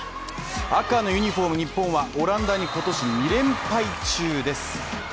赤のユニフォーム、日本はオランダに今年２連敗中です。